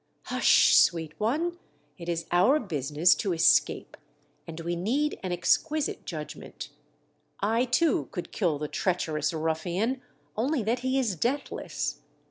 •' Hush, sweet one ! It is our business to escape, and we need an exquisite judgment. I, too, could kill the treacherous ruffian, only that he is deathless.